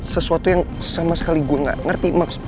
sesuatu yang sama sekali gue gak ngerti